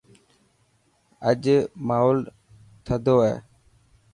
اڄ ماحول نندو هي